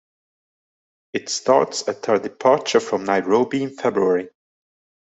It starts at their departure from Nairobi in February.